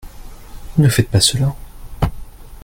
Ne faites pas cela !